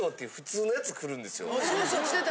そうそうきてた。